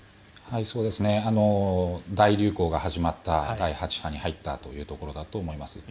大流行が始まった第８波に入ったというところだと思います。